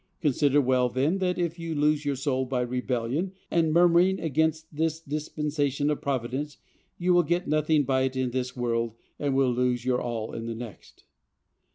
Consider well, then, that if you lose your soul by rebellion and murmuring against this dispensation of Providence, you will get nothing by it in this world, and will lose your all in the next."